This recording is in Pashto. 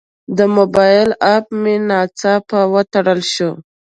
د موبایل اپ مې ناڅاپه وتړل شو.